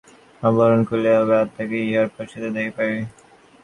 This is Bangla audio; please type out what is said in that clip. আবরণ খুলিয়া যায় এবং আত্মাকে ইহার পশ্চাতে দেখিতে পাই।